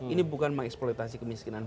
ini bukan mengeksploitasi kemiskinan